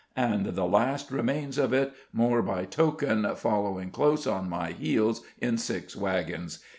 _ and the last remains of it, more by token, following close on my heels in six wagons.